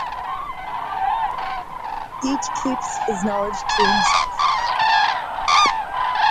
Each keeps his knowledge to himself.